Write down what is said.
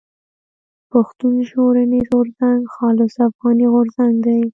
پښتون ژغورني غورځنګ خالص افغاني غورځنګ دی.